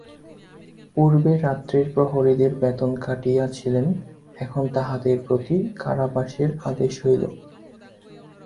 পূর্বে রাত্রের প্রহরীদের বেতন কাটিয়াছিলেন, এখন তাহাদের প্রতি কারাবাসের আদেশ হইল।